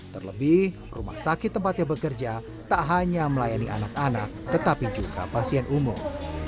terlebih rumah sakit tempatnya bekerja tak hanya melayani anak anak tetapi juga pasien umum